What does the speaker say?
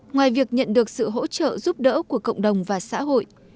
ngoài việc nhận được sự hỗ trợ giúp đỡ của cộng đồng và xã hội